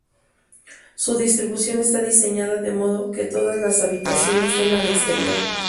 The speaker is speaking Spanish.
Su distribución está diseñada de modo que todas las habitaciones den al exterior.